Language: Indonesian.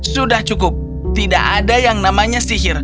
sudah cukup tidak ada yang namanya sihir